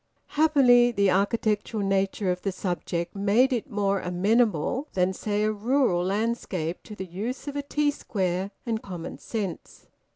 Happily the architectural nature of the subject made it more amenable than, say, a rural landscape to the use of a T square and common sense.